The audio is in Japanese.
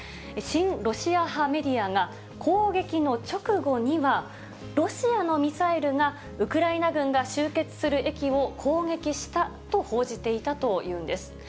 親ロシア派メディアが攻撃の直後にはロシアのミサイルがウクライナ軍が集結する駅を攻撃したと報じていたというんです。